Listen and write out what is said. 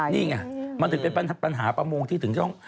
นี่ไงมันถึงเป็นปัญหาประมงที่ถึงต้อง